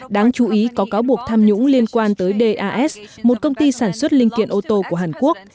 đáng chú ý có cáo buộc tham nhũng liên quan tới das một công ty sản xuất linh kiện ô tô của hàn quốc